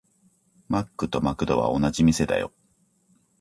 マックとマクドは同じ店だよ。